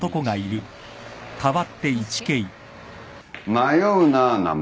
迷うな名前。